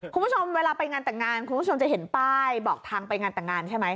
คุณผู้ชมเวลาไปงานแต่งงานคุณผู้ชมจะเห็นป้ายบอกทางไปงานแต่งงานใช่ไหม